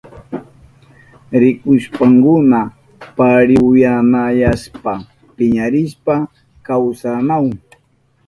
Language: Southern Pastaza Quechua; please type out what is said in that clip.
Shuk runakuna kullkiyuta rikushpankuna parihuyanayashpa piñarishpa kawsanahun.